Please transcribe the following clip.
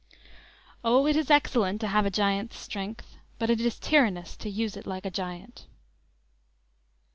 _"O, it is excellent To have a giant's strength, but it is tyrannous To use it like a giant."